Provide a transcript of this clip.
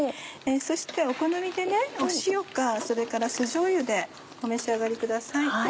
そしてお好みで塩か酢じょうゆでお召し上がりください。